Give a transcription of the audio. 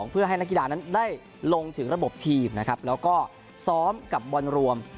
เพื่อให้นักกีฬานั้นได้ลงถึงระบบทีมนะครับแล้วก็ซ้อมกับบอลรวม